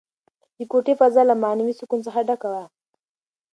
د کوټې فضا له معنوي سکون څخه ډکه وه.